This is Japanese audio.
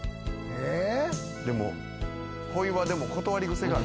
えっ！